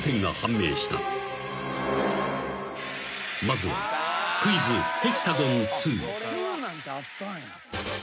［まずは『クイズ！ヘキサゴンⅡ』］